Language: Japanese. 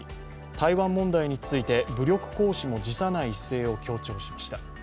台湾問題について、武力行使も辞さない姿勢を強調しました。